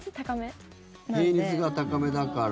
平熱が高めだから。